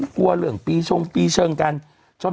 กลัวเรื่องปีชงปีเชิงกัน